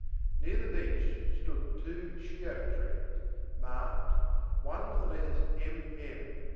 Near the beach stood two she oak trees, marked, one with the letters M. M.